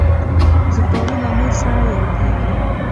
زردالو له مور سره یادېږي.